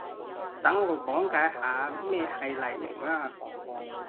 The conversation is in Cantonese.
等我講解下咩係黎明啦